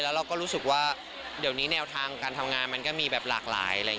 แล้วเราก็รู้สึกว่าเดี๋ยวนี้แนวทางการทำงานมันก็มีแบบหลากหลาย